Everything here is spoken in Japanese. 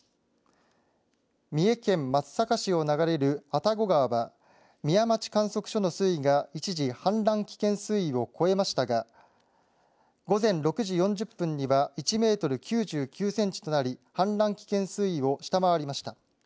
三重県松阪市を流れる愛宕川は宮町観測所の水位が一時氾濫危険水位を超えましたが午前６時４０分には１メートル９９センチとなり氾濫危険水位を下回りました。